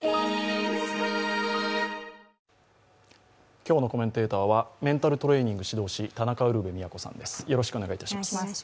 今日のコメンテーターはメンタルトレーニング指導士田中ウルヴェ京さんです。